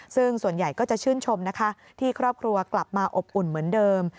ซึ่งส่วนใหญ่ก็จะชื่นชมนะคะที่ครอบครัวกลับมาอบอุ่นเหมือนเดิม